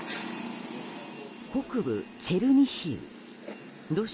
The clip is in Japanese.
北部チェルニヒウ。